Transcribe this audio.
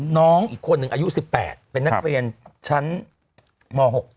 น้องอีกคนหนึ่งอายุ๑๘เป็นนักเรียนชั้นม๖